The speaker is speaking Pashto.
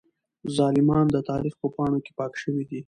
ظالمان د تاريخ په پاڼو کې پاک شوي دي.